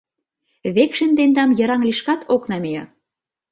Векшин тендам йыраҥ лишкат ок намие.